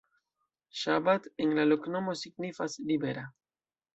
Szabad en la loknomo signifas: libera.